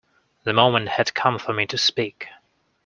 The moment had come for me to speak.